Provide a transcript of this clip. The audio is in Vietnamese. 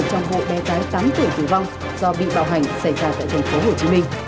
trong vụ đe tái tám tuổi tử vong do bị bạo hành xảy ra tại tp hcm